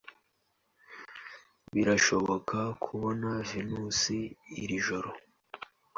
Birashoboka kubona Venus iri joro?